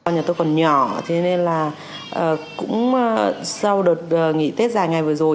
nhà tôi còn nhỏ thế nên là cũng sau đợt nghỉ tết dài ngày vừa rồi